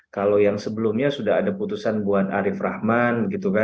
kalau yang sebelumnya sudah ada putusan buat arief rahman